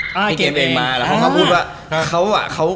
ที่เกมเองมาแล้วเขาก็พูดว่า